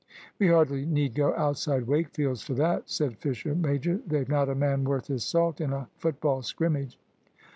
"We hardly need go outside Wakefield's for that," said Fisher major; "they've not a man worth his salt in a football scrimmage."